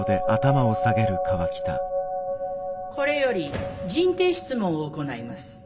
これより人定質問を行います。